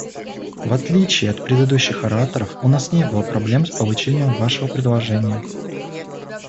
В отличие от предыдущих ораторов, у нас не было проблем с получением Вашего предложения.